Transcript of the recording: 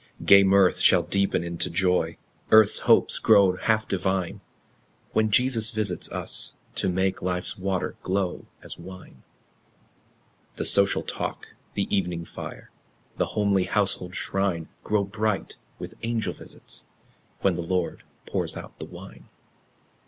Gay mirth shall deepen into joy, Earth's hopes grow half divine, When Jesus visits us, to make Life's water glow as wine. The social talk, the evening fire, The homely household shrine, Grow bright with angel visits, when The Lord pours out the wine.